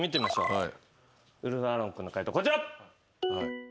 はい。